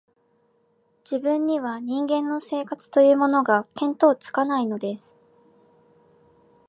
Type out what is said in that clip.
自分には、人間の生活というものが、見当つかないのです